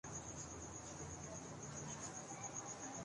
اس کا عقیدہ ہمارے عقیدے سے مضبوط ہو